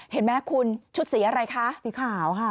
เห็นไหมคุณชุดสีอะไรคะสีขาวค่ะ